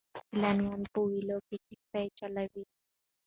سیلانیان په ویاله کې کښتۍ چلوي.